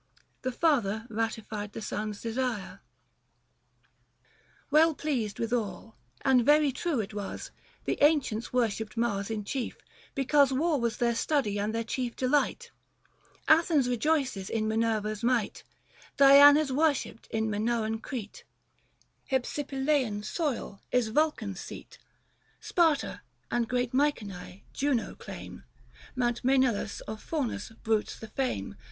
" The father ratified the son's desire, 70 THE FASTI. Book III. Well pleased withal ; and very true it was, 85 The ancients worshipped Mars in chief, because War was their study and their chief delight. Athens rejoices in Minerva's might ; Diana's worshipped in Minoian Crete ; Hypsipyleian soil is Vulcan's seat ; 90 Sparta and great Mycenae — Juno, claim ; Mount Msenalus of Faunus bruits the fame